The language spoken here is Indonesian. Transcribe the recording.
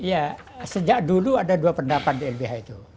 ya sejak dulu ada dua pendapat di lbh itu